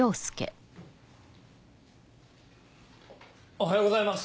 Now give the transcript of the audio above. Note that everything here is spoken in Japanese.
おはようございます。